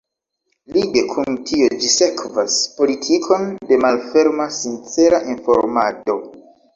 Lige kun tio ĝi sekvas politikon de malferma, „sincera“ informado.